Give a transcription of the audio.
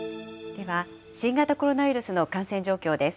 では、新型コロナウイルスの感染状況です。